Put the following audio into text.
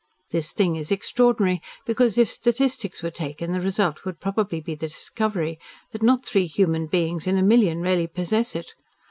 This thing is extraordinary because, if statistics were taken, the result would probably be the discovery that not three human beings in a million really possess it.